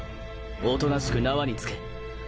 おとなしく縄につけ刃衛。